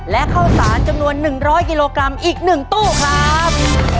และข้าวสารจำนวน๑๐๐กิโลกรัมอีก๑ตู้ครับ